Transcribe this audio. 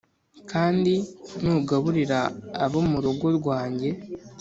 Kandi nugaburira abo mu rugo rwanjye